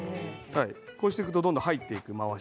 こうしていくと、どんどん入っていきます。